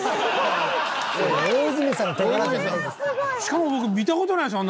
しかも僕見た事ないですよ